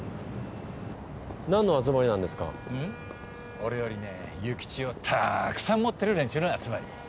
俺よりね諭吉をたくさん持ってる連中の集まり。